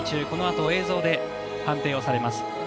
このあと映像で判定をされます。